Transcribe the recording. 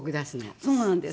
そうなんです。